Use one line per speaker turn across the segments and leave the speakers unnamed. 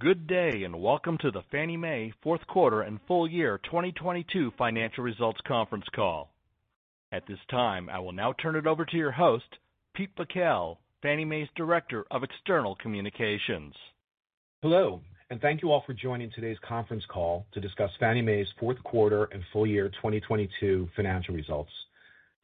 Good day, and welcome to the Fannie Mae Q4 and full year 2022 financial results conference call. At this time, I will now turn it over to your host, Pete Bakel, Fannie Mae's Director of External Communications.
Hello, thank you all for joining today's conference call to discuss Fannie Mae's Q4 and full year 2022 financial results.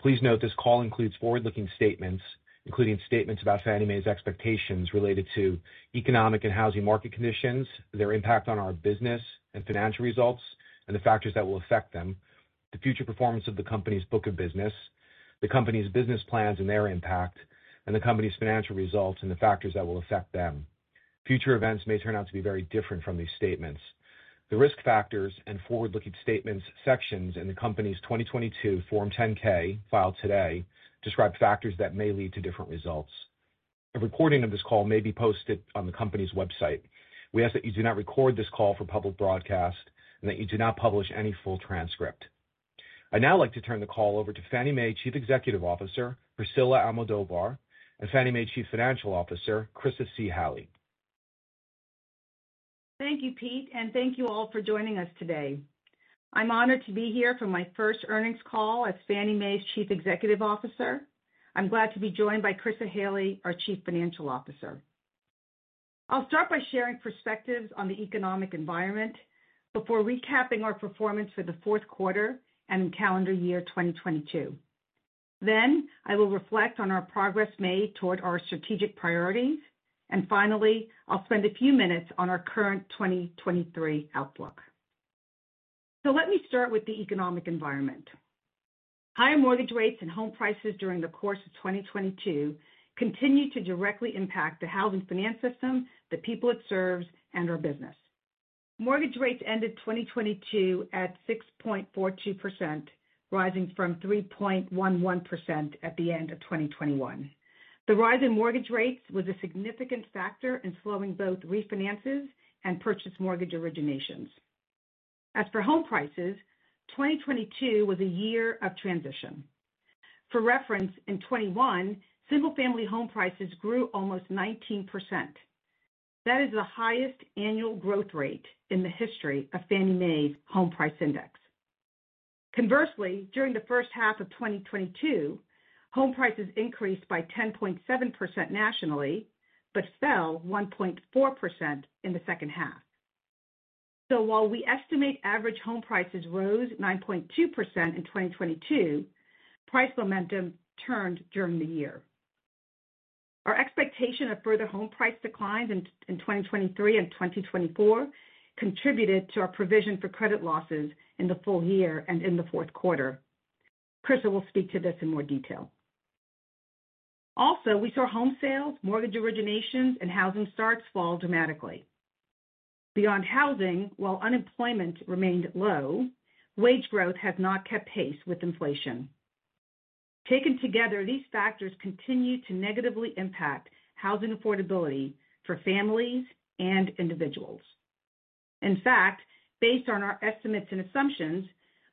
Please note this call includes forward-looking statements, including statements about Fannie Mae's expectations related to economic and housing market conditions, their impact on our business and financial results, and the factors that will affect them, the future performance of the company's book of business, the company's business plans and their impact, and the company's financial results and the factors that will affect them. Future events may turn out to be very different from these statements. The Risk Factors and Forward-Looking Statements sections in the company's 2022 Form 10-K filed today describe factors that may lead to different results. A recording of this call may be posted on the company's website. We ask that you do not record this call for public broadcast and that you do not publish any full transcript. I'd now like to turn the call over to Fannie Mae Chief Executive Officer, Priscilla Almodovar, and Fannie Mae Chief Financial Officer, Chryssa C. Halley.
Thank you, Pete. Thank you all for joining us today. I'm honored to be here for my first earnings call as Fannie Mae's Chief Executive Officer. I'm glad to be joined by Chryssa Halley, our Chief Financial Officer. I'll start by sharing perspectives on the economic environment before recapping our performance for Q4 and in calendar year 2022. I will reflect on our progress made toward our strategic priorities. Finally, I'll spend a few minutes on our current 2023 outlook. Let me start with the economic environment. Higher mortgage rates and home prices during the course of 2022 continued to directly impact the housing finance system, the people it serves, and our business. Mortgage rates ended 2022 at 6.42%, rising from 3.11% at the end of 2021. The rise in mortgage rates was a significant factor in slowing both refinances and purchase mortgage originations. As for home prices, 2022 was a year of transition. For reference, in 2021, single-family home prices grew almost 19%. That is the highest annual growth rate in the history of Fannie Mae's Home Price Index. Conversely, during the first half of 2022, home prices increased by 10.7% nationally, but fell 1.4% in the second half. While we estimate average home prices rose 9.2% in 2022, price momentum turned during the year. Our expectation of further home price declines in 2023 and 2024 contributed to our provision for credit losses in the full year and in Q4. Chryssa will speak to this in more detail. We saw home sales, mortgage originations, and housing starts fall dramatically. Beyond housing, while unemployment remained low, wage growth has not kept pace with inflation. Taken together, these factors continue to negatively impact housing affordability for families and individuals. In fact, based on our estimates and assumptions,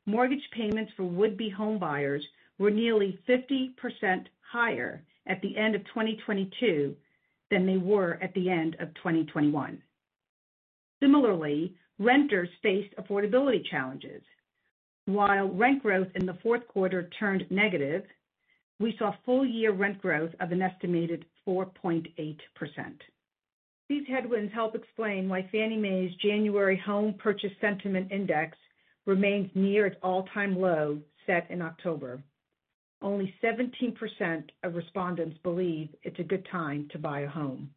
mortgage payments for would-be homebuyers were nearly 50% higher at the end of 2022 than they were at the end of 2021. Similarly, renters faced affordability challenges. While rent growth in Q4 turned negative, we saw full year rent growth of an estimated 4.8%. These headwinds help explain why Fannie Mae's January Home Purchase Sentiment Index remains near its all-time low set in October. Only 17% of respondents believe it's a good time to buy a home.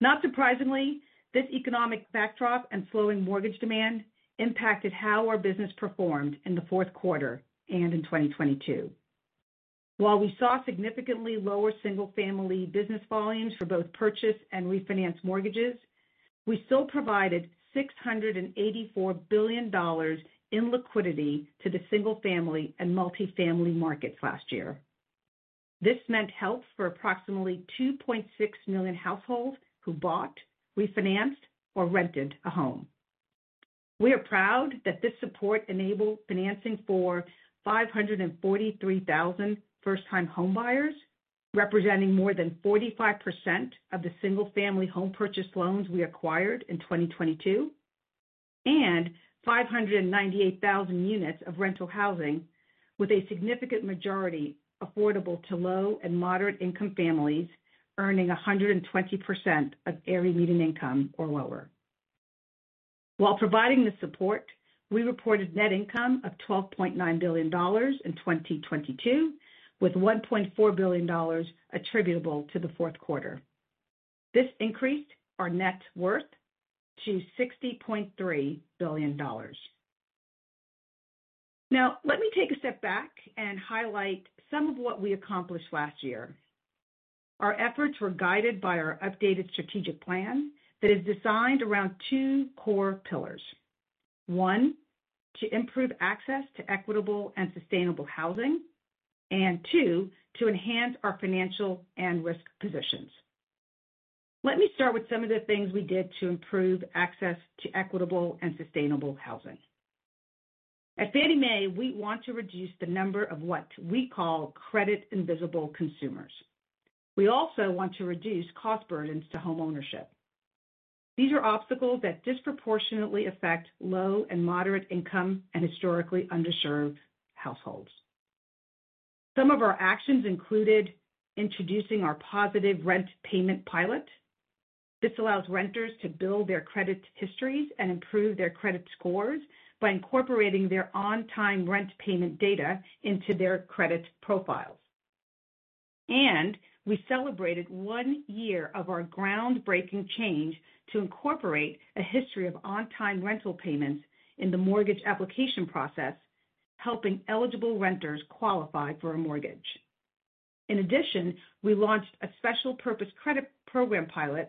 Not surprisingly, this economic backdrop and slowing mortgage demand impacted how our business performed in Q4 and in 2022. While we saw significantly lower single-family business volumes for both purchase and refinance mortgages, we still provided $684 billion in liquidity to the single-family and multifamily markets last year. This meant help for approximately 2.6 million households who bought, refinanced, or rented a home. We are proud that this support enabled financing for 543,000 first-time homebuyers, representing more than 45% of the single-family home purchase loans we acquired in 2022, and 598,000 units of rental housing, with a significant majority affordable to low and moderate-income families earning 120% of area median income or lower. While providing the support, we reported net income of $12.9 billion in 2022, with $1.4 billion attributable to Q4. This increased our net worth to $60.3 billion. Now, let me take a step back and highlight some of what we accomplished last year. Our efforts were guided by our updated strategic plan that is designed around two core pillars. One, to im`prove access to equitable and sustainable housing. Two, to enhance our financial and risk positions. Let me start with some of the things we did to improve access to equitable and sustainable housing. At Fannie Mae, we want to reduce the number of what we call credit invisible consumers. We also want to reduce cost burdens to homeownership. These are obstacles that disproportionately affect low and moderate income and historically underserved households. Some of our actions included introducing our Positive Rent Payment pilot. This allows renters to build their credit histories and improve their credit scores by incorporating their on-time rent payment data into their credit profiles. We celebrated one year of our groundbreaking change to incorporate a history of on-time rental payments in the mortgage application process, helping eligible renters qualify for a mortgage. In addition, we launched a Special Purpose Credit Program pilot,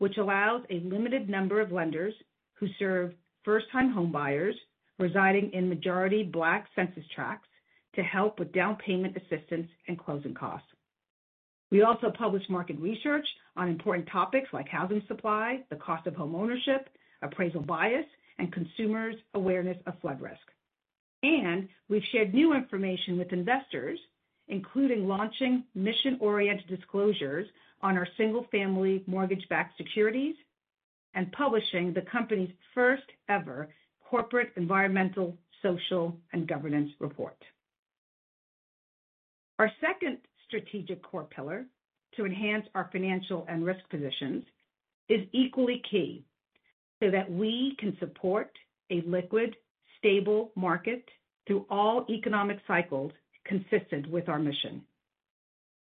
which allows a limited number of lenders who serve first-time homebuyers residing in majority black census tracts to help with down payment assistance and closing costs. We also published market research on important topics like housing supply, the cost of homeownership, appraisal bias, and consumers' awareness of flood risk. We've shared new information with investors, including launching mission-oriented disclosures on our single-family mortgage-backed securities and publishing the company's first-ever Environmental, Social, and Governance Report. Our second strategic core pillar to enhance our financial and risk positions is equally key so that we can support a liquid, stable market through all economic cycles consistent with our mission.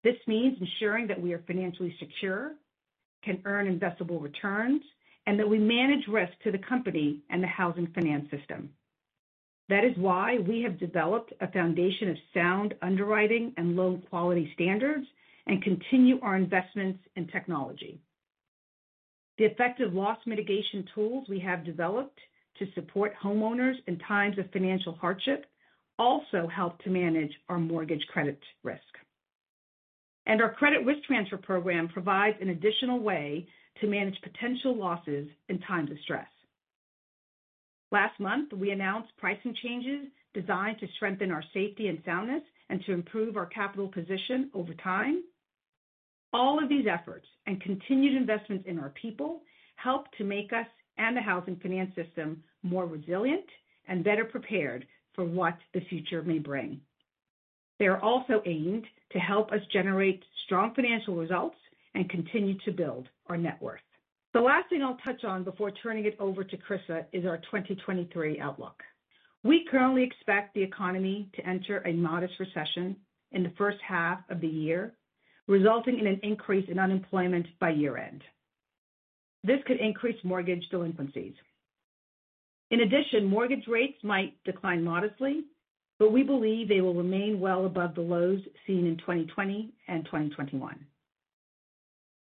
This means ensuring that we are financially secure, can earn investable returns, and that we manage risk to the company and the housing finance system. That is why we have developed a foundation of sound underwriting and loan quality standards and continue our investments in technology. The effective loss mitigation tools we have developed to support homeowners in times of financial hardship also help to manage our mortgage credit risk. Our credit risk transfer program provides an additional way to manage potential losses in times of stress. Last month, we announced pricing changes designed to strengthen our safety and soundness and to improve our capital position over time. All of these efforts and continued investments in our people help to make us and the housing finance system more resilient and better prepared for what the future may bring. They are also aimed to help us generate strong financial results and continue to build our net worth. The last thing I'll touch on before turning it over to Chryssa is our 2023 outlook. We currently expect the economy to enter a modest recession in the first half of the year, resulting in an increase in unemployment by year-end. This could increase mortgage delinquencies. In addition, mortgage rates might decline modestly, but we believe they will remain well above the lows seen in 2020 and 2021.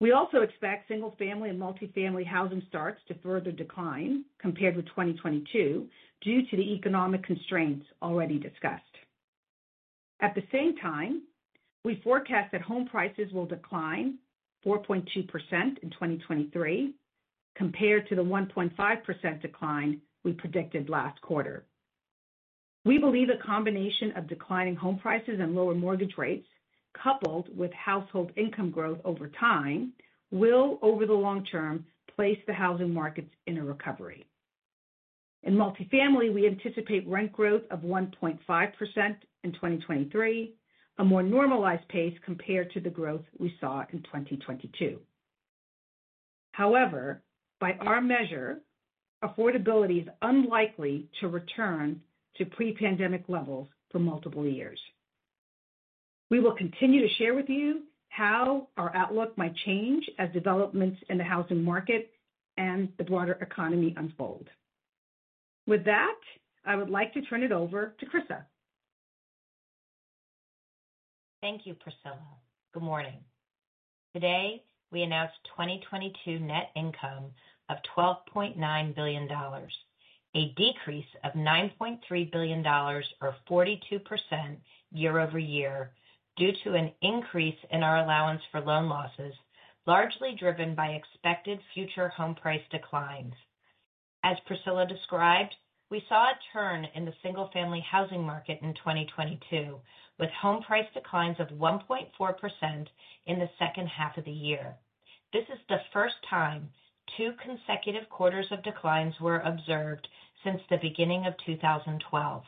We also expect single-family and multifamily housing starts to further decline compared with 2022 due to the economic constraints already discussed. At the same time, we forecast that home prices will decline 4.2% in 2023 compared to the 1.5% decline we predicted last quarter. We believe a combination of declining home prices and lower mortgage rates, coupled with household income growth over time, will, over the long term, place the housing markets in a recovery. In multifamily, we anticipate rent growth of 1.5% in 2023, a more normalized pace compared to the growth we saw in 2022. However, by our measure, affordability is unlikely to return to pre-pandemic levels for multiple years. We will continue to share with you how our outlook might change as developments in the housing market and the broader economy unfold. With that, I would like to turn it over to Chryssa.
Thank you, Priscilla. Good morning. Today, we announced 2022 net income of $12.9 billion, a decrease of $9.3 billion or 42% year-over-year due to an increase in our allowance for loan losses, largely driven by expected future home price declines. As Priscilla described, we saw a turn in the single-family housing market in 2022, with home price declines of 1.4% in the second half of the year. This is the first time two consecutive quarters of declines were observed since the beginning of 2012.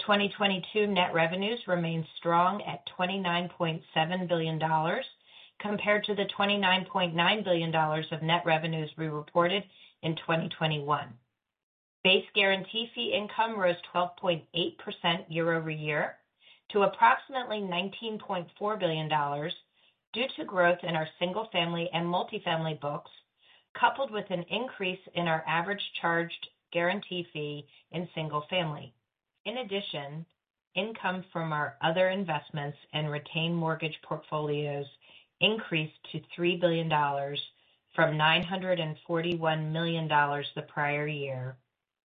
2022 net revenues remained strong at $29.7 billion compared to the $29.9 billion of net revenues we reported in 2021. Base guaranty fee income rose 12.8% year-over-year to approximately $19.4 billion due to growth in our single-family and multifamily books, coupled with an increase in our average charged guaranty fee in single-family. In addition, income from our other investments and retained mortgage portfolios increased to $3 billion from $941 million the prior year,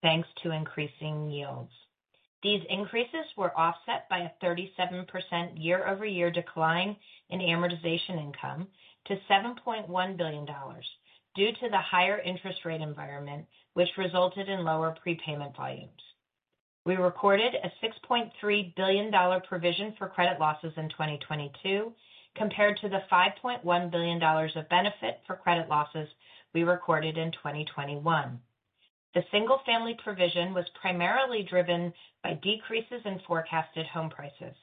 thanks to increasing yields. These increases were offset by a 37% year-over-year decline in amortization income to $7.1 billion due to the higher interest rate environment, which resulted in lower prepayment volumes. We recorded a $6.3 billion provision for credit losses in 2022 compared to the $5.1 billion of benefit for credit losses we recorded in 2021. The single-family provision was primarily driven by decreases in forecasted home prices.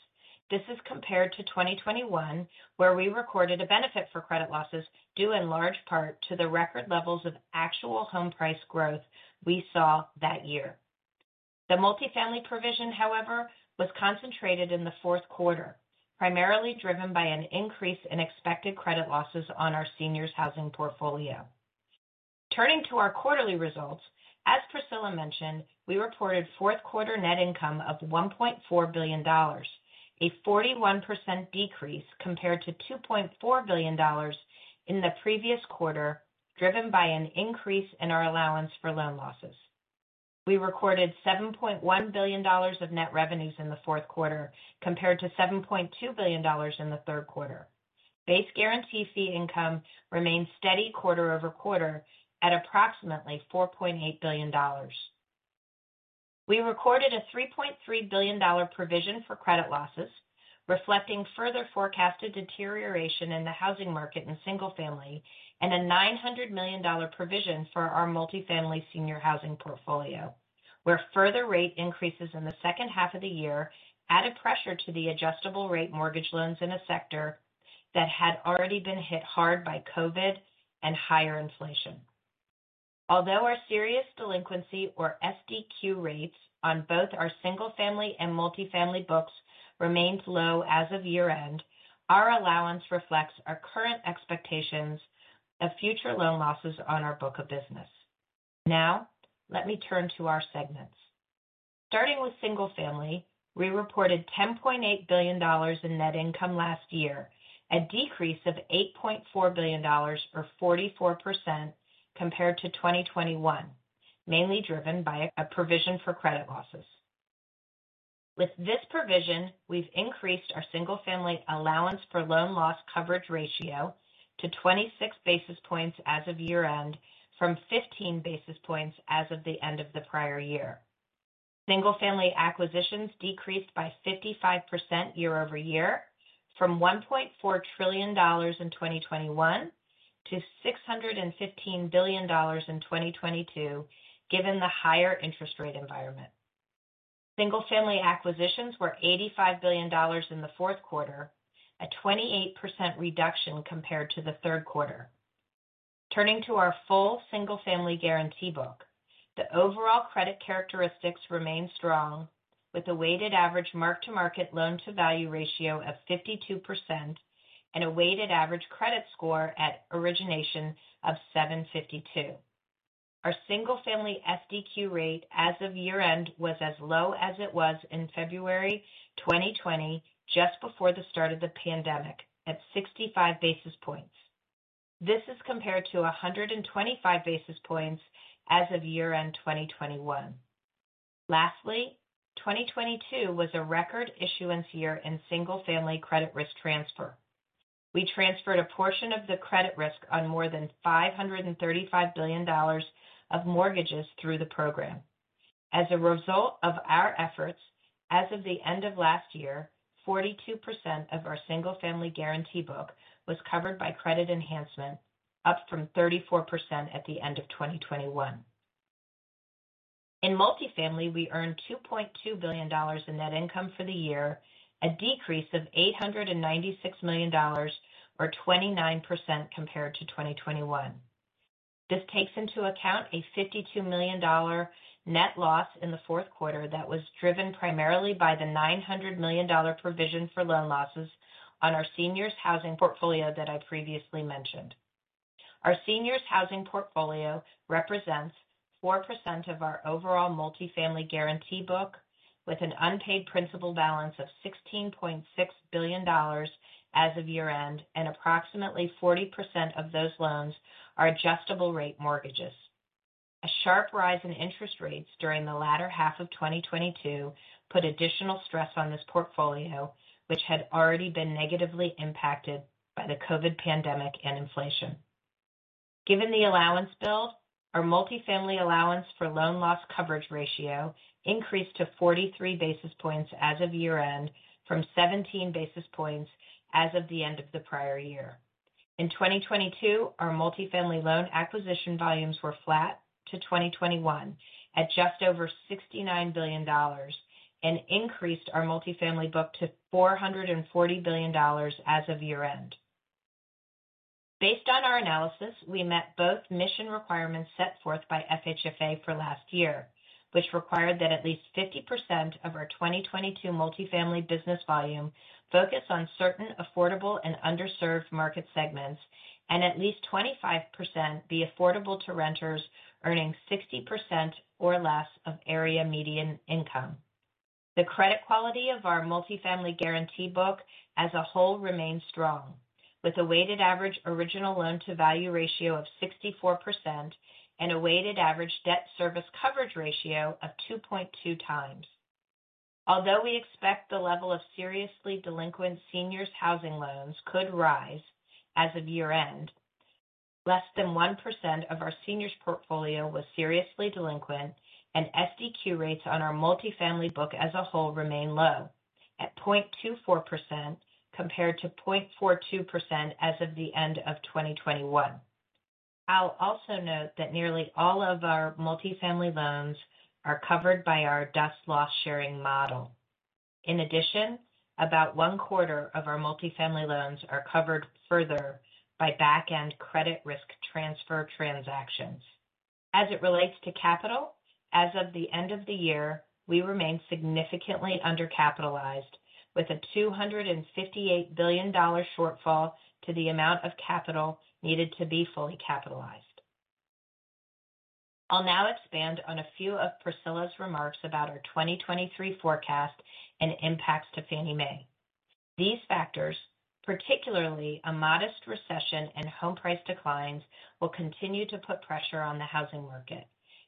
This is compared to 2021, where we recorded a benefit for credit losses due in large part to the record levels of actual home price growth we saw that year. The multifamily provision, however, was concentrated in Q4, primarily driven by an increase in expected credit losses on our seniors housing portfolio. Turning to our quarterly results, as Priscilla mentioned, we reported Q4 net income of $1.4 billion, a 41% decrease compared to $2.4 billion in the previous quarter, driven by an increase in our allowance for loan losses. We recorded $7.1 billion of net revenues in Q4 compared to $7.2 billion in the third quarter. Base guaranty fee income remained steady quarter-over-quarter at approximately $4.8 billion. We recorded a $3.3 billion provision for credit losses, reflecting further forecasted deterioration in the housing market in single family and a $900 million provision for our multifamily seniors housing portfolio, where further rate increases in the second half of the year added pressure to the adjustable-rate mortgage loans in a sector that had already been hit hard by COVID and higher inflation. Although our serious delinquency or SDQ rates on both our single family and multifamily books remains low as of year-end, our allowance reflects our current expectations of future loan losses on our book of business. Let me turn to our segments. Starting with single family, we reported $10.8 billion in net income last year, a decrease of $8.4 billion or 44% compared to 2021, mainly driven by a provision for credit losses. With this provision, we've increased our single-family allowance for loan losses coverage ratio to 26 basis points as of year-end from 15 basis points as of the end of the prior year. Single-family acquisitions decreased by 55% year over year from $1.4 trillion in 2021 to $615 billion in 2022, given the higher interest rate environment. Single-family acquisitions were $85 billion in Q4, a 28% reduction compared to the third quarter. Turning to our full single-family guarantee book, the overall credit characteristics remain strong with a weighted average mark-to-market loan to value ratio of 52% and a weighted average credit score at origination of 752. Our single-family SDQ rate as of year-end was as low as it was in February 2020, just before the start of the pandemic at 65 basis points. This is compared to 125 basis points as of year-end 2021. Lastly, 2022 was a record issuance year in single-family credit risk transfer. We transferred a portion of the credit risk on more than $535 billion of mortgages through the program. As a result of our efforts, as of the end of last year, 42% of our single-family guarantee book was covered by credit enhancement, up from 34% at the end of 2021. In multifamily, we earned $2.2 billion in net income for the year, a decrease of $896 million or 29% compared to 2021. This takes into account a $52 million net loss in Q4 that was driven primarily by the $900 million provision for loan losses on our seniors housing portfolio that I previously mentioned. Our seniors housing portfolio represents 4% of our overall multifamily guarantee book with an unpaid principal balance of $16.6 billion as of year-end, and approximately 40% of those loans are adjustable-rate mortgages. A sharp rise in interest rates during the latter half of 2022 put additional stress on this portfolio, which had already been negatively impacted by the COVID pandemic and inflation. Given the allowance bill, our multifamily allowance for loan loss coverage ratio increased to 43 basis points as of year-end from 17 basis points as of the end of the prior year. In 2022, our multifamily loan acquisition volumes were flat to 2021 at just over $69 billion and increased our multifamily book to $440 billion as of year-end. Based on our analysis, we met both mission requirements set forth by FHFA for last year, which required that at least 50% of our 2022 multifamily business volume focus on certain affordable and underserved market segments, and at least 25% be affordable to renters earning 60% or less of area median income. The credit quality of our multifamily guarantee book as a whole remains strong, with a weighted average original loan-to-value ratio of 64% and a weighted average debt service coverage ratio of 2.2 times. Although we expect the level of seriously delinquent seniors housing loans could rise as of year-end, less than 1% of our seniors portfolio was seriously delinquent and SDQ rates on our multifamily book as a whole remain low at 0.24% compared to 0.42% as of the end of 2021. I'll also note that nearly all of our multifamily loans are covered by our DUS loss sharing model. In addition, about one-quarter of our multifamily loans are covered further by back-end credit risk transfer transactions. As it relates to capital, as of the end of the year, we remain significantly undercapitalized with a $258 billion shortfall to the amount of capital needed to be fully capitalized. I'll now expand on a few of Priscilla's remarks about our 2023 forecast and impacts to Fannie Mae. These factors, particularly a modest recession and home price declines, will continue to put pressure on the housing market.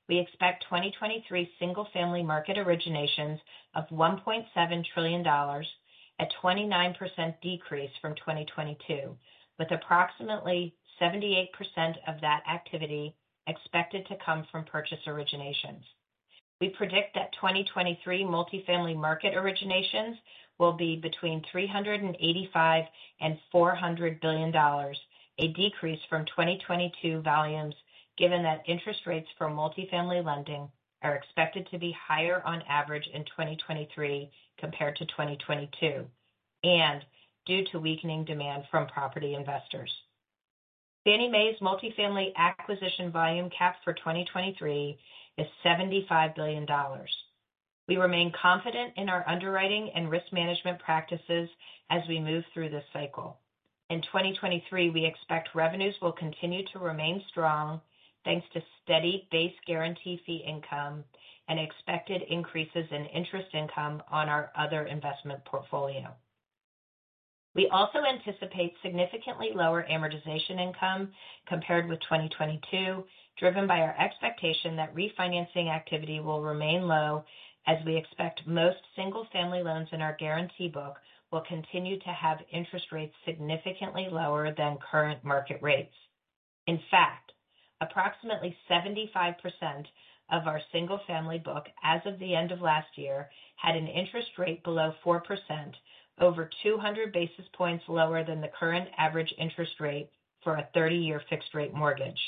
We expect 2023 single-family market originations of $1.7 trillion at 29% decrease from 2022, with approximately 78% of that activity expected to come from purchase originations. We predict that 2023 multifamily market originations will be between $385 billion-$400 billion, a decrease from 2022 volumes, given that interest rates for multifamily lending are expected to be higher on average in 2023 compared to 2022, and due to weakening demand from property investors. Fannie Mae's multifamily acquisition volume cap for 2023 is $75 billion. We remain confident in our underwriting and risk management practices as we move through this cycle. In 2023, we expect revenues will continue to remain strong thanks to steady base guaranty fee income and expected increases in interest income on our other investment portfolio. We also anticipate significantly lower amortization income compared with 2022, driven by our expectation that refinancing activity will remain low as we expect most single-family loans in our guarantee book will continue to have interest rates significantly lower than current market rates. In fact, approximately 75% of our single family book as of the end of last year had an interest rate below 4%, over 200 basis points lower than the current average interest rate for a 30-year fixed-rate mortgage.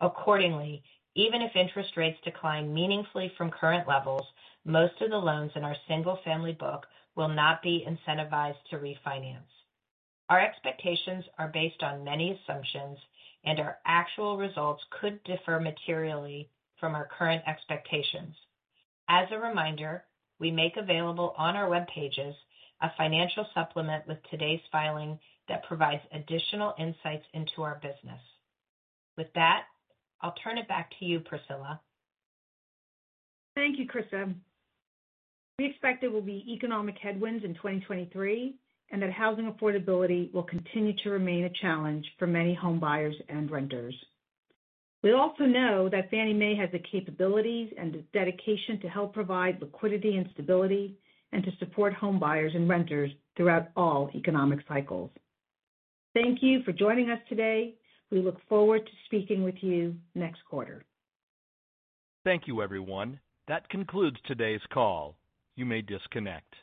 Accordingly, even if interest rates decline meaningfully from current levels, most of the loans in our single family book will not be incentivized to refinance. Our expectations are based on many assumptions and our actual results could differ materially from our current expectations. As a reminder, we make available on our web pages a financial supplement with today's filing that provides additional insights into our business. With that, I'll turn it back to you, Priscilla.
Thank you, Chryssa. We expect there will be economic headwinds in 2023 that housing affordability will continue to remain a challenge for many home buyers and renters. We also know that Fannie Mae has the capabilities and the dedication to help provide liquidity and stability and to support home buyers and renters throughout all economic cycles. Thank you for joining us today. We look forward to speaking with you next quarter.
Thank you, everyone. That concludes today's call. You may disconnect.